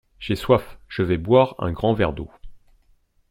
J’ai soif, je vais boire un grand verre d’eau.